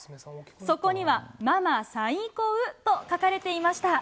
そこには、ママさいこうと書かれていました。